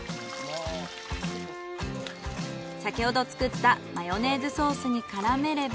先ほど作ったマヨネーズソースに絡めれば。